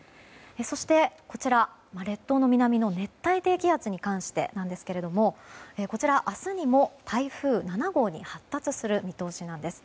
そして、列島の南の熱帯低気圧に関してですがこちら、明日にも台風７号に発達する見通しなんです。